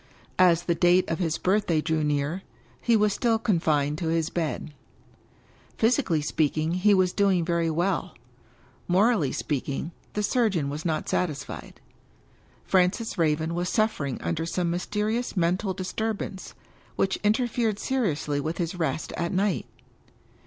As the date of his birthday drew near, he was still confined to his bed. Physically speaking, he was doing very well. Morally speaking, the surgeon was not satisfied. Francis Raven was 257 English Mystery Stories suffering under some mysterious mental disturbance, which interfered seriously with his rest at night.